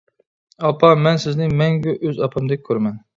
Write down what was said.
ئاپا، مەن سىزنى مەڭگۈ ئۆز ئاپامدەك كۆرىمەن.